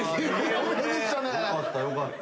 よかったよかった。